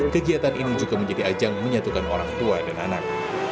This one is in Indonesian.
kegiatan ini juga menjadi ajang menyatukan orang tua dan anak